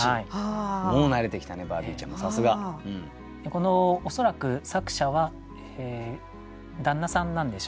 この恐らく作者は旦那さんなんでしょうね